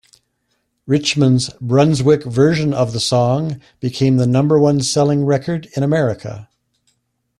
Richman's Brunswick version of the song became the number-one selling record in America.